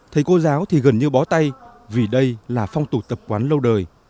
thầy cô giáo thì gần như bó tay vì đây là phong tục tập quán lâu đời